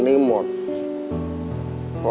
ผมคิดว่าสงสารแกครับ